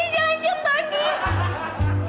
jangan cium tony